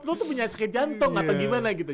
lo tuh punya sakit jantung atau gimana gitu